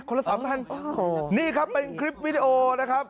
คนละ๓พันนี่ครับเป็นคลิปวิดีโอนะครับ